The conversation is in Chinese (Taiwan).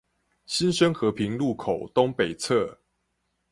新生和平路口東北側